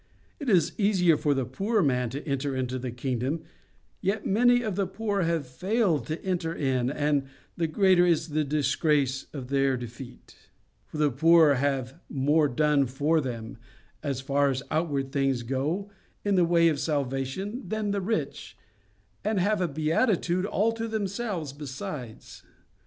It is easier for the poor man to enter into the kingdom, yet many of the poor have failed to enter in, and the greater is the disgrace of their defeat. For the poor have more done for them, as far as outward things go, in the way of salvation than the rich, and have a beatitude all to themselves besides.